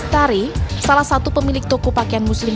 tari salah satu pemilik toko pakaian muslim